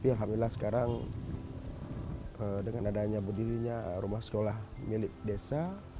alhamdulillah sekarang dengan adanya berdirinya rumah sekolah milik desa